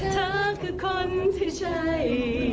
เธอคือคนที่ใช่